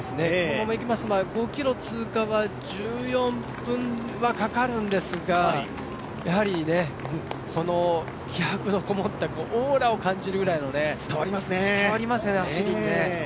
このままいきますと、５ｋｍ通過は１４分はかかるんですが、やはりこの気迫のこもったオーラを感じるぐらい伝わりますね、走りにね。